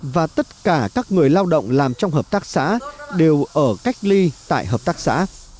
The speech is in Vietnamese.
và tất cả các người lao động làm trong hợp tác xã đều ở cách ly tại hợp tác xã